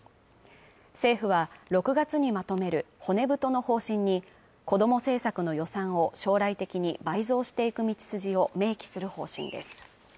政府は６月にまとめる骨太の方針に子ども政策の予算を将来的に倍増していく道筋を明記する方針です